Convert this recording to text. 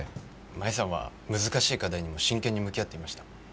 舞さんは難しい課題にも真剣に向き合っていました。